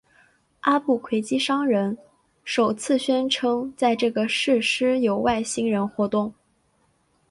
阿布奎基商人首次宣称在这个设施有外星人活动。